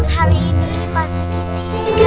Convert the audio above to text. hari ini pas dikit dikit